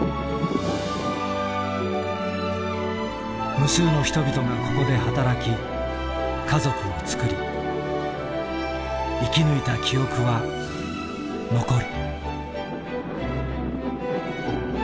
無数の人々がここで働き家族をつくり生き抜いた記憶は残る。